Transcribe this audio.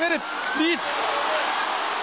リーチ！